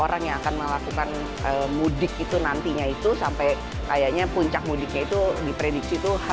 orang yang akan melakukan mudik itu nantinya itu sampai kayaknya puncak mudiknya itu diprediksi itu